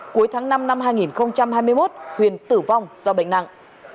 cuối tháng năm năm hai nghìn hai mươi một huyền tử vong do bệnh nặng